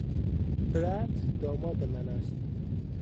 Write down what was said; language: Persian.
برت داماد من است.